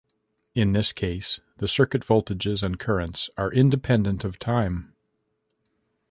In this case, the circuit voltages and currents are independent of time.